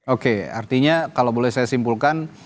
oke artinya kalau boleh saya simpulkan